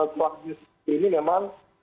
kelak juskri ini memang